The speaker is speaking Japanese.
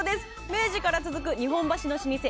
明治から続く日本橋の老舗